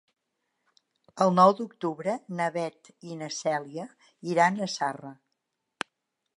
El nou d'octubre na Beth i na Cèlia iran a Zarra.